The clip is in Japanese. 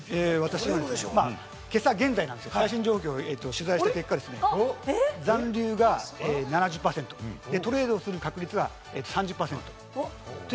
今朝の最新状況を取材した結果、残留が７０％、トレードする確率が３０％。